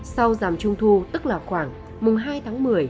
sau dàm trung thu tức là khoảng mùng hai tháng một mươi